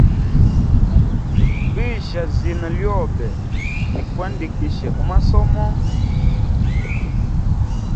Visha zina lyobe ni kuandikishe umasomo.